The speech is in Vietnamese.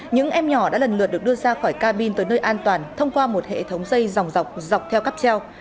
những em nhỏ đã lần lượt được đưa ra khỏi cabin tới nơi an toàn thông qua một hệ thống dây dòng dọc dọc theo cắp treo